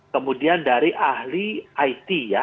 kemudian dari ahli it ya